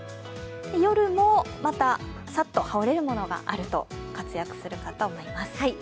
夜も、またさっと羽織れるものがあると活躍するかと思います。